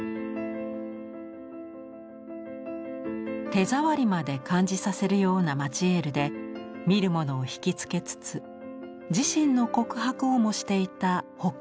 手触りまで感じさせるようなマチエールで見る者をひきつけつつ自身の告白をもしていたホックニー。